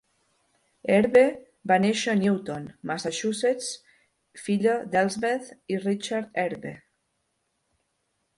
Erbe va néixer a Newton, Massachusetts, filla d'Elsbeth i Richard Erbe.